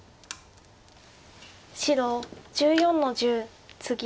白１４の十ツギ。